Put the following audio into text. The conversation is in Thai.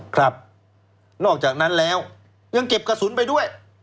ครับนอกจากนั้นแล้วยังเก็บกระสุนไปด้วย